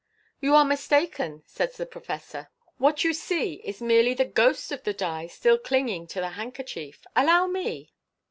"You are mistaken," says the professor ;" what you see is merely the ghost of the die still clinging to the handkerchief. Allow me